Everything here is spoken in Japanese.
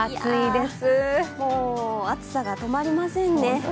もう暑さが止まりませんね。